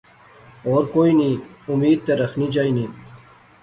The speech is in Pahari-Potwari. ہور کوئی نی امید تے رخنی چاینی